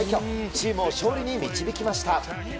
チームを勝利に導きました。